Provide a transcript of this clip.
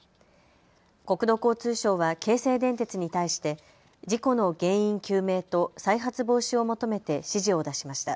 国土交通省は京成電鉄に対して事故の原因究明と再発防止を求めて指示を出しました。